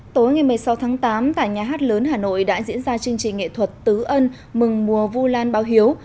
tối ngày một mươi sáu tháng tám tại nhà hát lớn hà nội đã diễn ra chương trình nghệ thuật tứ ân mừng mùa vu lan báo hiếu